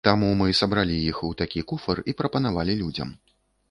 Таму мы сабралі іх у такі куфар і прапанавалі людзям.